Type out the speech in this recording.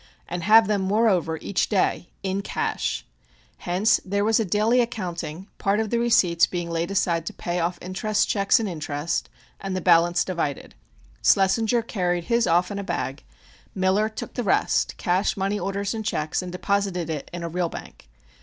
and have them, moreover, each day in cash. Hence there was a daily accounting, part of the receipts being laid aside to pay off interest checks and interest, and the balance divided. Schlessinger carried his off in a bag; Miller took the rest, cash, money orders and checks, and deposited it in a real bank.